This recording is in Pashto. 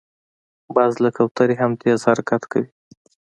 باز له کوترې هم تېز حرکت کوي